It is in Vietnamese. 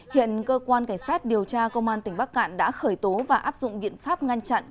hiện cơ quan cảnh sát điều tra công an tỉnh bắc cạn đã khởi tố và áp dụng biện pháp ngăn chặn